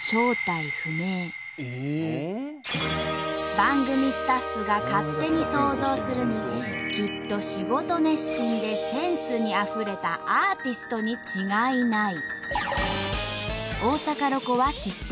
番組スタッフが勝手に想像するにきっと仕事熱心でセンスにあふれたアーティストに違いない。